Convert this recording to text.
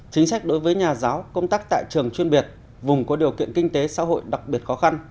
chính sách đối với nhà giáo công tác tại trường chuyên biệt vùng có điều kiện kinh tế xã hội đặc biệt khó khăn